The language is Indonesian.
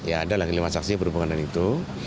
ya ada lagi lima saksi berhubungan dengan itu